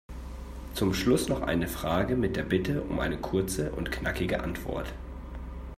Zum Schluss noch eine Frage mit der Bitte um eine kurze und knackige Antwort.